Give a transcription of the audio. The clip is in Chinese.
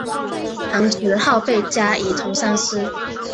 樊子鹄被加仪同三司。